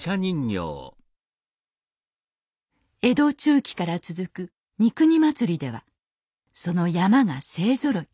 江戸中期から続く三国祭ではその山車が勢ぞろい。